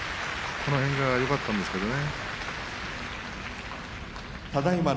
この辺はよかったんですけどね。